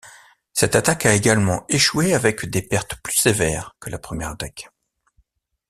Cette attaque a également échoué avec des pertes plus sévères que la première attaque.